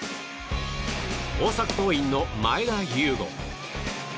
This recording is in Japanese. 大阪桐蔭の前田悠伍。